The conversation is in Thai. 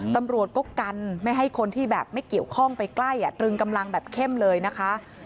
ตำรวจก็กันไม่ให้คนที่แบบไม่เกี่ยวข้องไปใกล้ตรึงกำลังแบบเข้มเลยนะคะ